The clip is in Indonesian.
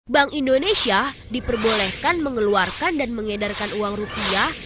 bank indonesia diperbolehkan mengeluarkan dan mengedarkan uang rupiah